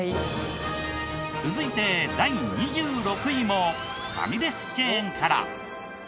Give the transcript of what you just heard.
続いて第２６位もファミレスチェーンから。